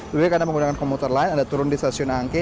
lebih karena menggunakan komuter lain anda turun di stasiun angke